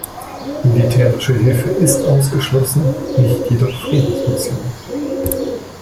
Militärische Hilfe ist ausgeschlossen, nicht jedoch Friedensmissionen.